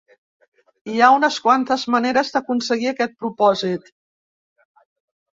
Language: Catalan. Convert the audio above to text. Hi ha unes quantes maneres d’aconseguir aquest propòsit.